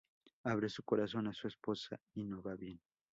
Abre su corazón a su esposa, y no va bien.